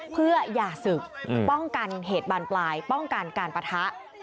เพื่ออย่าศึกป้องกันเหตุบานปลายป้องกันการปะทะ